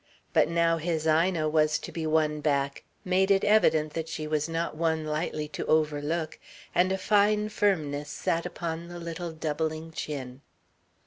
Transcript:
But now his Ina was to be won back, made it evident that she was not one lightly to overlook, and a fine firmness sat upon the little doubling chin.